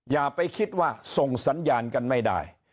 อย่าไปคิดว่าส่งสัญญาณกันไม่ได้